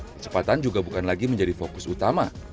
kecepatan juga bukan lagi menjadi fokus utama